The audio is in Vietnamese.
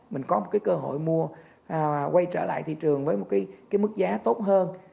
mình có một cái cơ hội mua quay trở lại thị trường với một cái mức giá tốt hơn